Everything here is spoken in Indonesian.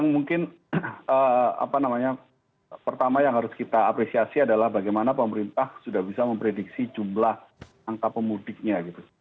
mungkin pertama yang harus kita apresiasi adalah bagaimana pemerintah sudah bisa memprediksi jumlah angka pemudiknya gitu